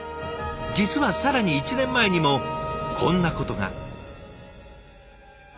実は更に１年前にもこんなことが。